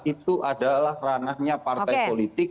itu adalah ranahnya partai politik